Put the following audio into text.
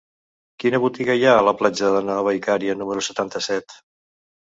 Quina botiga hi ha a la platja de la Nova Icària número setanta-set?